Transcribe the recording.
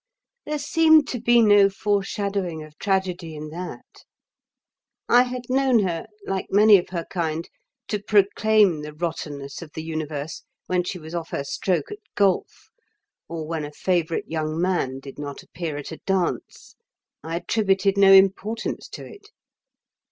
There seemed to be no foreshadowing of tragedy in that. I had known her (like many of her kind) to proclaim the rottenness of the Universe when she was off her stroke at golf, or when a favourite young man did not appear at a dance. I attributed no importance to it.